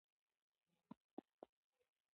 ښځې کولای شي چې ښې ډاکټرانې شي.